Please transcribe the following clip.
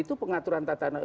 atau bagaimana menurut anda